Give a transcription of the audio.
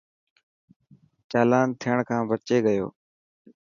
چالان ٿيڻ کان بچي گيو.